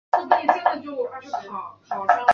真蜥脚类。